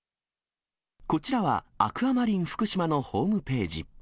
こちらは、アクアマリンふくしまのホームページ。